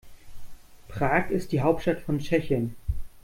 Prag ist die Hauptstadt von Tschechien.